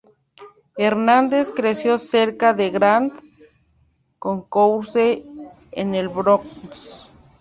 Hernández creció cerca del Grand Concourse en el Bronx.